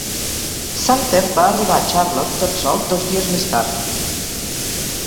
Sumter va arribar a Charlotte tot sol dos dies més tard.